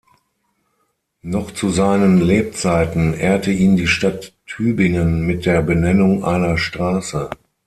Noch zu seinen Lebzeiten ehrte ihn die Stadt Tübingen mit der Benennung einer Straße.